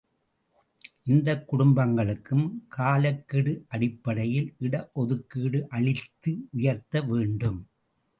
இந்தக் குடும்பங்களுக்கும் காலக்கெடு அடிப்படையில் இடஒதுக்கீடு அளித்து உயர்த்த வேண்டும்.